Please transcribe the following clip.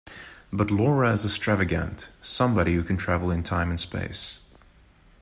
But Laura is a Stravagante, somebody who can travel in time and space.